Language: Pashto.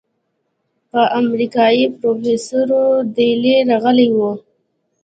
يو امريکايي پروفيسور دېلې رغلى و.